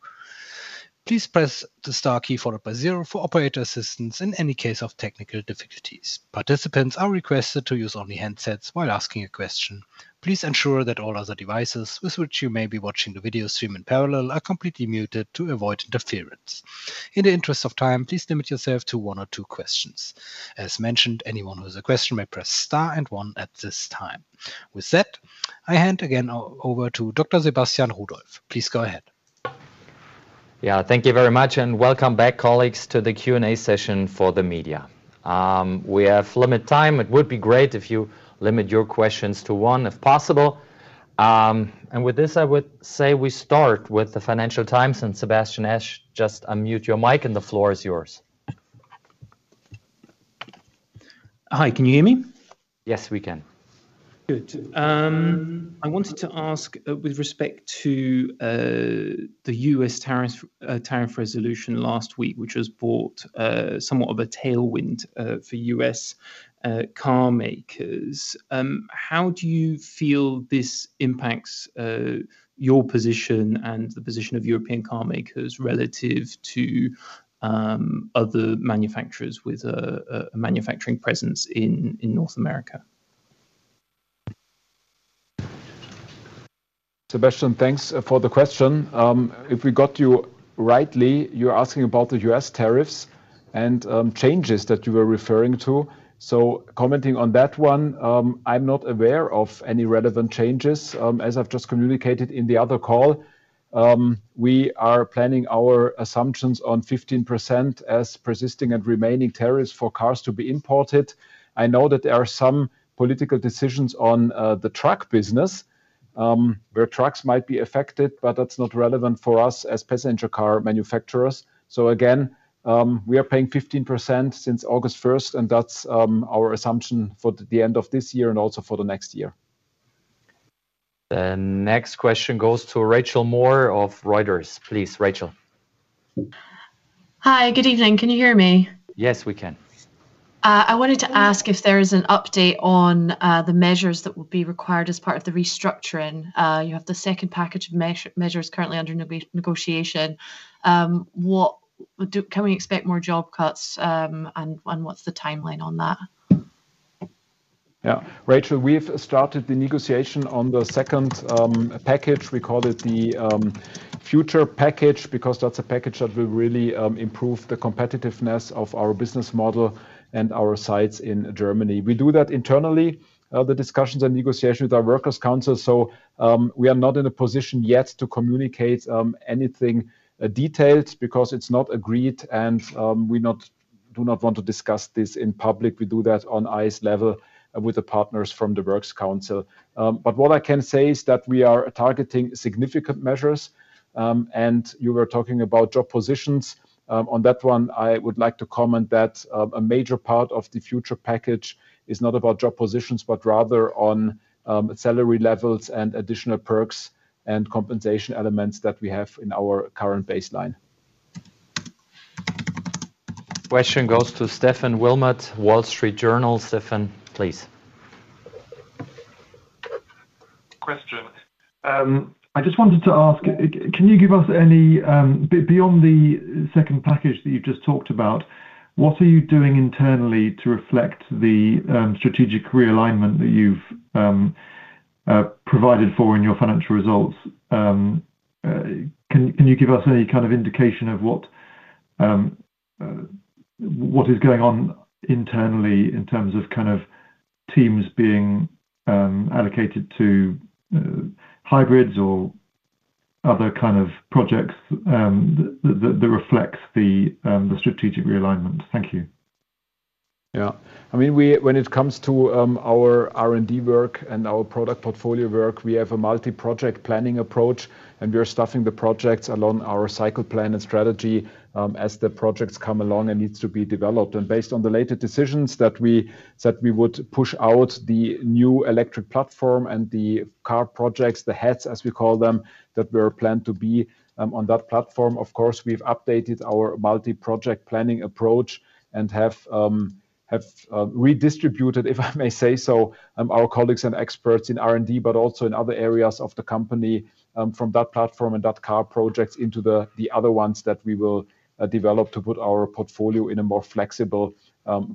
Please press the star key followed by zero for operator assistance in any case of technical difficulties. Participants are requested to use only headsets while asking a question. Please ensure that all other devices with which you may be watching the video stream in parallel are completely muted to avoid interference. In the interest of time, please limit yourself to one or two questions. As mentioned, anyone who has a question may press star and one at this time. With that, I hand again over to Dr. Sebastian Rudolph. Please go ahead. Thank you very much and welcome back, colleagues, to the Q&A session for the media. We have limited time. It would be great if you limit your questions to one if possible. With this, I would say we start with the Financial Times. [Sebas nesh], just unmute your mic and the floor is yours. Hi, can you hear me? Yes, we can. Good. I wanted to ask with respect to the U.S. tariff resolution last week, which has brought somewhat of a tailwind for U.S. car makers. How do you feel this impacts your position and the position of European car makers relative to other Manufakturs with a manufacturing presence in North America? Sebastian, thanks for the question. If we got you rightly, you're asking about the US tarrifs and changes that you were referring to. Commenting on that one, I'm not aware of any relevant changes. As I've just communicated in the other call, we are planning our assumptions on 15% as persisting and remaining tariffs for cars to be imported. I know that there are some political decisions on the truck business where trucks might be affected, but that's not relevant for us as passenger car Manufakturs. We are paying 15% since August 1st, and that's our assumption for the end of this year and also for the next year. The next question goes to Rachel Moore of Reuters. Please, Rachel. Hi, good evening. Can you hear me? Yes, we can. I wanted to ask if there is an update on the measures that will be required as part of the restructuring. You have the second package of measures currently under negotiation. Can we expect more job cuts, and what's the timeline on that? Yeah, Rachel, we've started the negotiation on the second package. We call it the future package because that's a package that will really improve the competitiveness of our business model and our sites in Germany. We do that internally, the discussions and negotiations with our Workers' Council. We are not in a position yet to communicate anything detailed because it's not agreed and we do not want to discuss this in public. We do that on ICE level with the partners from the Workers' Council. What I can say is that we are targeting significant measures. You were talking about job positions. On that one, I would like to comment that a major part of the future package is not about job positions, but rather on salary levels and additional perks and compensation elements that we have in our current baseline. Question goes to Stephen Wilmort, Wall Street Journal. Stephen, please. I just wanted to ask, can you give us any, beyond the second package that you've just talked about, what are you doing internally to reflect the strategic realignment that you've provided for in your financial results? Can you give us any kind of indication of what is going on internally in terms of kind of teams being allocated to hybrids or other kind of projects that reflect the strategic realignment? Thank you. Yeah, I mean, when it comes to our R&D work and our product portfolio work, we have a multi-project planning approach, and we are stuffing the projects along our cycle plan and strategy as the projects come along and need to be developed. Based on the latest decisions that we would push out the new electric platform and the car projects, the heads, as we call them, that were planned to be on that platform, of course, we've updated our multi-project planning approach and have redistributed, if I may say so, our colleagues and experts in R&D, but also in other areas of the company from that platform and that car project into the other ones that we will develop to put our portfolio in a more flexible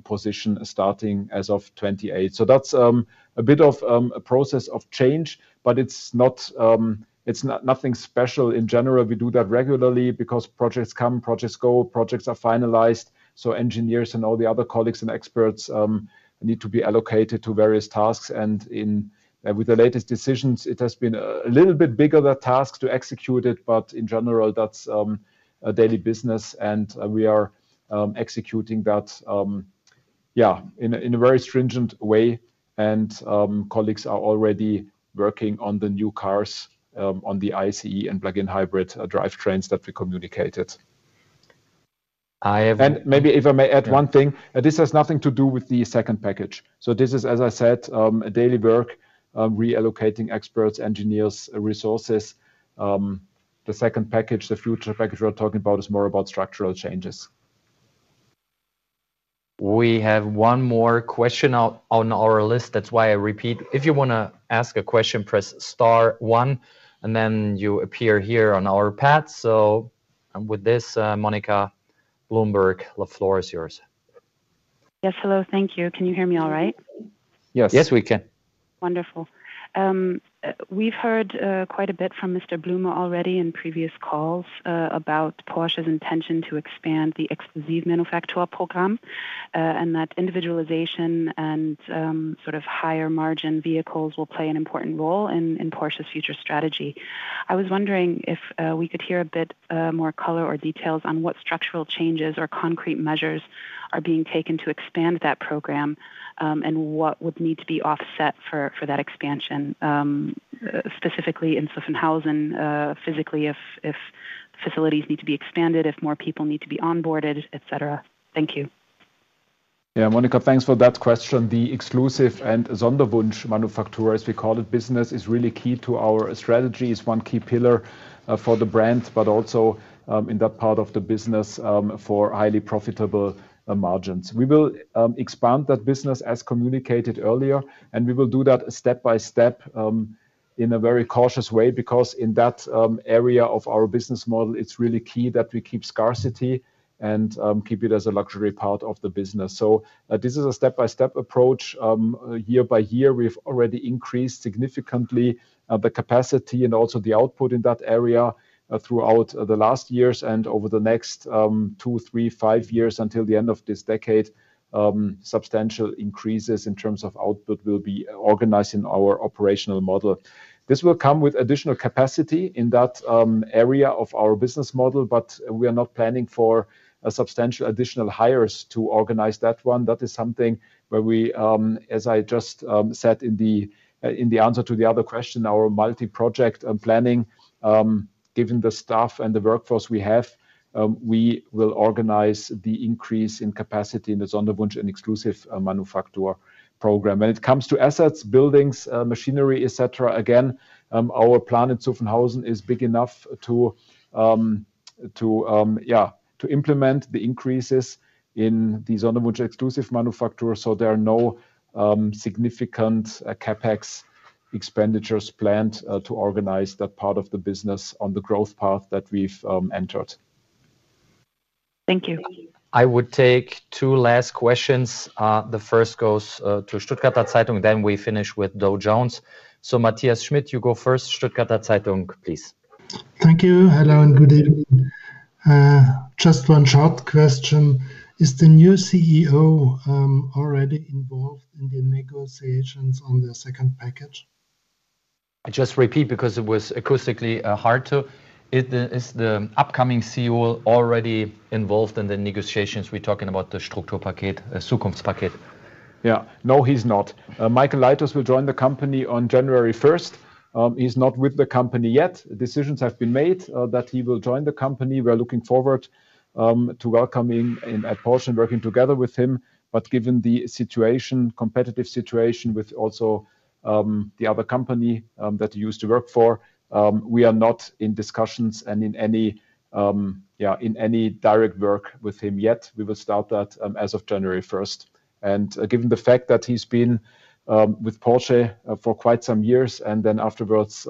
position starting as of 2028. That's a bit of a process of change, but it's nothing special in general. We do that regularly because projects come, projects go, projects are finalized. Engineers and all the other colleagues and experts need to be allocated to various tasks. With the latest decisions, it has been a little bit bigger than tasks to execute it, but in general, that's a daily business, and we are executing that, yeah, in a very stringent way. Colleagues are already working on the new cars on the ICE and plug-in hybrid drivetrains that we communicated. Maybe Eva may add one thing. This has nothing to do with the second package. This is, as I said, daily work, reallocating experts, engineers, resources. The second package, the future package we're talking about, is more about structural changes. We have one more question on our list. That's why I repeat, if you want to ask a question, press star one, and then you appear here on our pad. With this, [Monica Blumberg], the floor is yours. Yes, hello. Thank you. Can you hear me all right? Yes. Yes, we can. Wonderful. We've heard quite a bit from Mr. Blume already in previous calls about Porsche's intention to expand the Exclusive Manufaktur program and that individualization and sort of higher margin vehicles will play an important role in Porsche's future strategy. I was wondering if we could hear a bit more color or details on what structural changes or concrete measures are being taken to expand that program and what would need to be offset for that expansion, specifically in Zuffenhausen, physically if facilities need to be expanded, if more people need to be onboarded, etc. Thank you. Yeah, Monica, thanks for that question. The Exclusive and Sonderwunsch Manufaktur, as we call it, business is really key to our strategy. It's one key pillar for the brand, but also in that part of the business for highly profitable margins. We will expand that business as communicated earlier, and we will do that step by step in a very cautious way because in that area of our business model, it's really key that we keep scarcity and keep it as a luxury part of the business. This is a step-by-step approach. Year by year, we've already increased significantly the capacity and also the output in that area throughout the last years and over the next two, three, five years until the end of this decade. Substantial increases in terms of output will be organized in our operational model. This will come with additional capacity in that area of our business model, but we are not planning for substantial additional hires to organize that one. That is something where we, as I just said in the answer to the other question, our multi-project planning, given the staff and the workforce we have, we will organize the increase in capacity in the Sonderwunsch and Exclusive Manufaktur program. When it comes to assets, buildings, machinery, etc., again, our plan in Zuffenhausen is big enough to implement the increases in the Sonderwunsch Exclusive Manufaktur. There are no significant CapEx expenditures planned to organize that part of the business on the growth path that we've entered. Thank you. I would take two last questions. The first goes to [Stuttgart Zeitung], then we finish with [Dow Jones]. Matthias you go first. [Stuttgart Zeitung], please. Thank you. Hello and good evening. Just one short question. Is the new CEO already involved in the negotiations on the second package? I just repeat because it was acoustically hard to. Is the upcoming CEO already involved in the negotiations? We're talking about the structure package, Zukunftspaket. Yeah, no, he's not. Michael Leiters will join the company on January 1st. He's not with the company yet. Decisions have been made that he will join the company. We're looking forward to welcoming him at Porsche and working together with him. Given the competitive situation with also the other company that he used to work for, we are not in discussions and in any direct work with him yet. We will start that as of January 1st. Given the fact that he's been with Porsche for quite some years and then afterwards,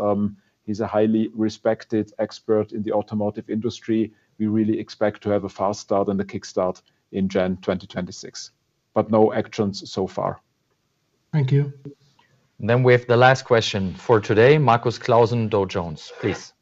he's a highly respected expert in the automotive industry, we really expect to have a fast start and a kickstart in January 2026. No actions so far. Thank you. We have the last question for today. [Markus Clausen Dow Jones], please.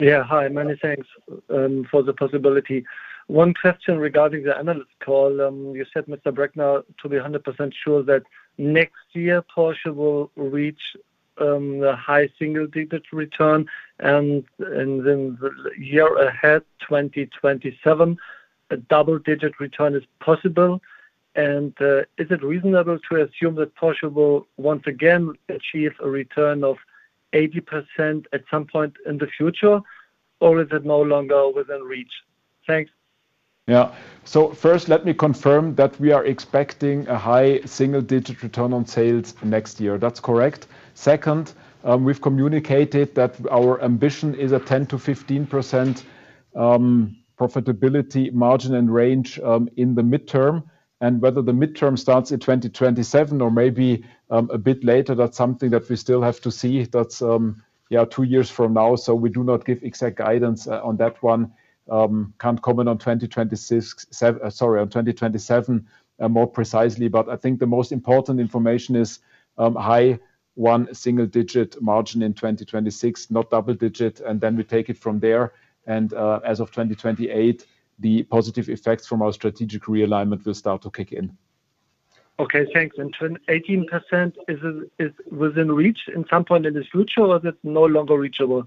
Yeah, hi. Many thanks for the possibility. One question regarding the analyst call. You said, Mr. Breckner, to be 100% sure that next year Porsche will reach the high single-digit return and in the year ahead, 2027, a double-digit return is possible. Is it reasonable to assume that Porsche will once again achieve a return of 8% at some point in the future, or is it no longer within reach? Thanks. First, let me confirm that we are expecting a high single-digit return on sales next year. That's correct. Second, we've communicated that our ambition is a 10%-15% profitability margin and range in the midterm. Whether the midterm starts in 2027 or maybe a bit later, that's something that we still have to see. That's two years from now. We do not give exact guidance on that one. Can't comment on 2026, sorry, on 2027 more precisely. I think the most important information is high single-digit margin in 2026, not double-digit. We take it from there. As of 2028, the positive effects from our strategic realignment will start to kick in. Okay, thanks. Is 18% within reach at some point in the future, or is it no longer reachable?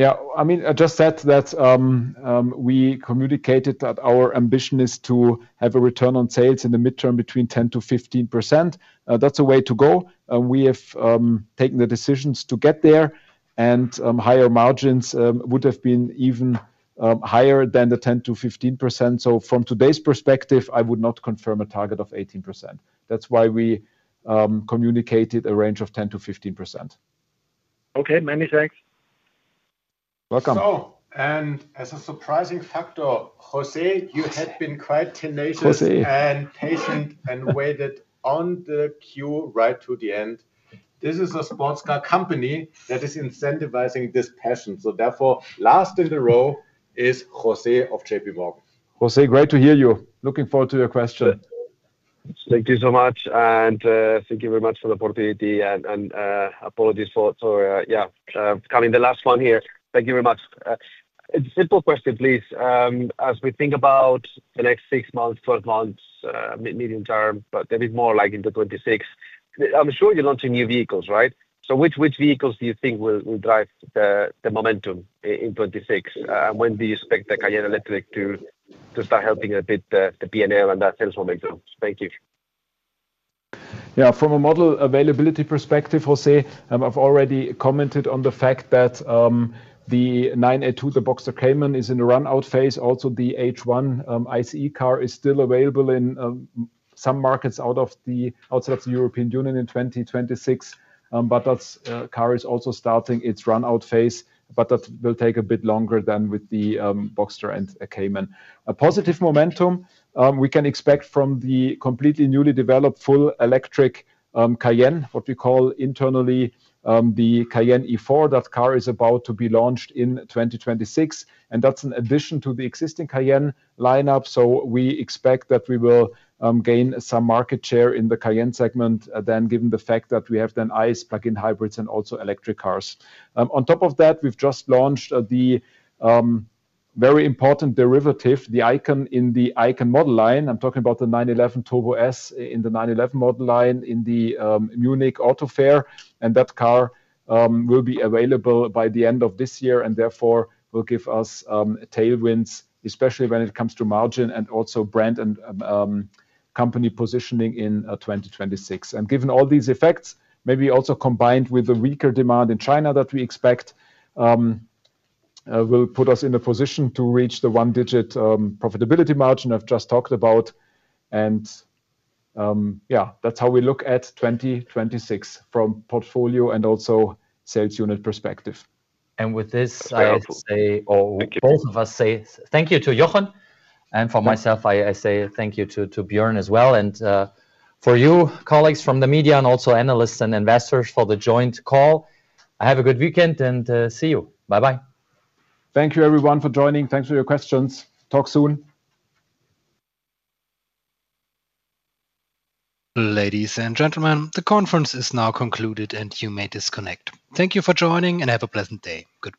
I just said that we communicated that our ambition is to have a return on sales in the midterm between 10%-15%. That's a way to go. We have taken the decisions to get there, and margins would have been even higher than the 10%-15%. From today's perspective, I would not confirm a target of 18%. That's why we communicated a range of 10%-15%. Okay, many thanks. Welcome. As a surprising factor, José, you had been quite tenacious and patient and waited on the queue right to the end. This is a sports car company that is incentivizing this passion. Therefore, last in the row is José of JPMorgan Chase & Co. José, great to hear you. Looking forward to your question. Thank you so much, and thank you very much for the opportunity. Thank you very much. Simple question, please. As we think about the next six months, 12 months, medium term, but a bit more like in 2026, I'm sure you're launching new vehicles, right? Which vehicles do you think will drive the momentum in 2026? When do you expect the Cayenne Electric to start helping a bit the P&L and that sales momentum? Thank you. Yeah, from a model availability perspective, José, I've already commented on the fact that the 982, the Boxster Cayman, is in the runout phase. Also, the H1 ICE car is still available in some markets outside of the European Union in 2026. That car is also starting its runout phase, but that will take a bit longer than with the Boxster and Cayman. Positive momentum. We can expect from the completely newly developed full electric Cayenne, what we call internally the Cayenne E4, that car is about to be launched in 2026. That is in addition to the existing Cayenne lineup. We expect that we will gain some market share in the Cayenne segment, given the fact that we have then ICE plug-in hybrids and also electric cars. On top of that, we've just launched the very important derivative, the Icon in the Icon model line. I'm talking about the 911 Turbo S in the 911 model line in the Munich Auto Fair. That car will be available by the end of this year and therefore will give us tailwinds, especially when it comes to margin and also brand and company positioning in 2026. Given all these effects, maybe also combined with the weaker demand in China that we expect, will put us in a position to reach the one-digit profitability margin I've just talked about. That's how we look at 2026 from portfolio and also sales unit perspective. With this, I say, or both of us say thank you to Jochen. For myself, I say thank you to Björn as well. For you, colleagues from the media and also analysts and investors for the joint call, I have a good weekend and see you. Bye-bye. Thank you everyone for joining. Thanks for your questions. Talk soon. Ladies and gentlemen, the conference is now concluded and you may disconnect. Thank you for joining and have a pleasant day. Goodbye.